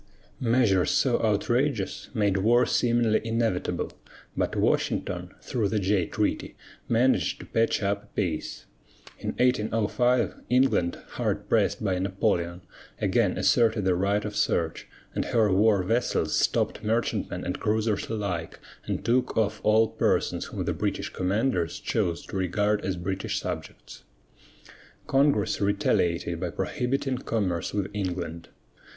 Measures so outrageous made war seemingly inevitable; but Washington, through the Jay Treaty, managed to patch up a peace. In 1805 England, hard pressed by Napoleon, again asserted the "right of search," and her war vessels stopped merchantmen and cruisers alike and took off all persons whom the British commanders chose to regard as British subjects. Congress retaliated by prohibiting commerce with England.